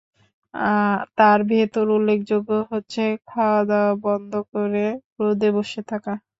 তার ভেতর উল্লেখযোগ্য হচ্ছে খাওয়াদাওয়া বন্ধ করে রোদে বসে থাকা।